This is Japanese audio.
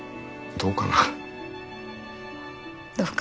どうかな。